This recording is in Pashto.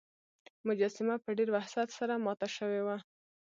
مجسمه په ډیر وحشت سره ماته شوې وه.